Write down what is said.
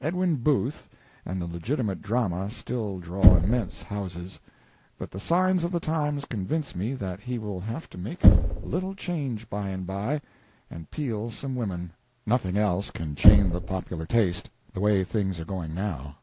Edwin Booth and the legitimate drama still draw immense houses, but the signs of the times convince me that he will have to make a little change by and by and peel some women. Nothing else can chain the popular taste, the way things are going now.